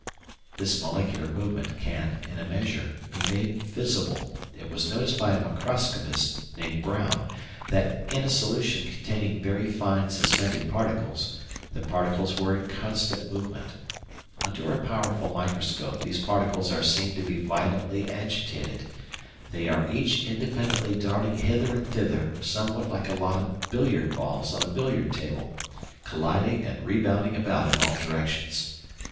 This molecular movement can, in a measure, be made visible. It was noticed by a microscopist named Brown that, in a solution containing very fine suspended particles, the particles were in constant movement. Under a powerful microscope these particles are seen to be violently agitated; they are each independently darting hither and thither somewhat like a lot of billiard balls on a billiard table, colliding and bounding about in all directions.